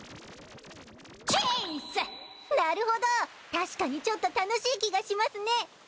確かにちょっと楽しい気がしますね。